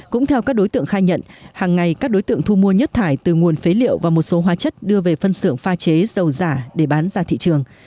cũng theo các đối tượng khai nhận hàng ngày các đối tượng thu mua nhất thải từ nguồn phế liệu và một số hóa chất đưa về phân xưởng pha chế dầu giả để bán ra thị trường